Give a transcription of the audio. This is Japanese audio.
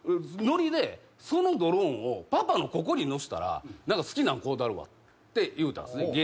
ノリで「そのドローンをパパのここにのせたら何か好きなん買うたるわ」って言うたんですね